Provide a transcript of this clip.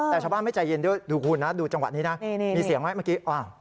แต่ชาวบ้านไม่ใจเย็นด้วยดูคุณนะดูจังหวะนี้นะมีเสียงไหมเมื่อกี้